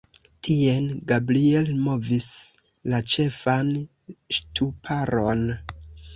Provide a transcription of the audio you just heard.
Tien Gabriel movis la ĉefan ŝtuparon.